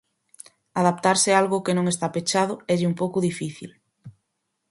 Adaptarse a algo que non está pechado élle un pouco difícil.